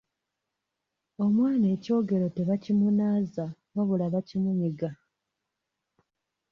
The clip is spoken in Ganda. Omwana ekyogero tebakimunaaza wabula bakimunyiga.